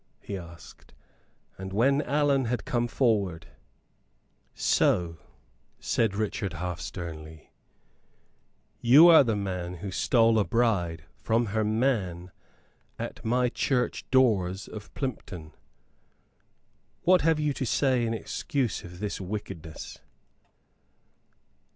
he asked; and when Allan had come forward, "So," said Richard, half sternly, "you are the man who stole a bride from her man at my church doors of Plympton. What have you to say in excuse of this wickedness?"